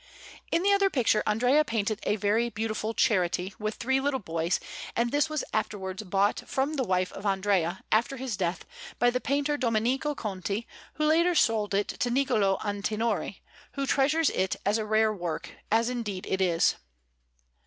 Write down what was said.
In the other picture Andrea painted a very beautiful Charity, with three little boys; and this was afterwards bought from the wife of Andrea, after his death, by the painter Domenico Conti, who sold it later to Niccolò Antinori, who treasures it as a rare work, as indeed it is.